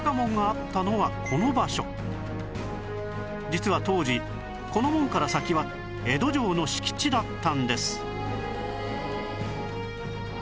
実は当時この門から先は江戸城の敷地だったんです